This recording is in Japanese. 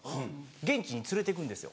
現地に連れて行くんですよ